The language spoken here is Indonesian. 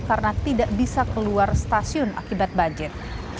karena tidak bisa keluar stasiun akibat banjir